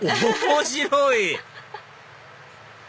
面白い！